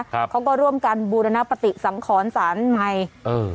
ครับเขาก็ร่วมกันบูรณปฏิสังขรรค์ศาลใหม่เออ